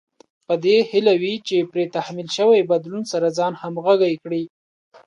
په دې هيله وي چې پرې تحمیل شوي بدلون سره ځان همغږی کړي.